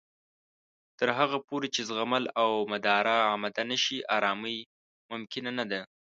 تر هغه پورې چې زغمل او مدارا عمده نه شي، ارامۍ ممکنه نه ده